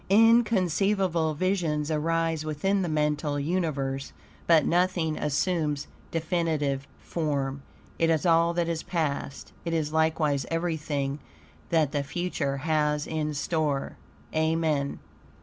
Inconceivable visions arise within the mental universe, but nothing assumes definite form. It is all that is past. It is likewise everything that the future has in store. Amen.